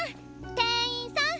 店員さん！